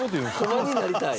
駒になりたい。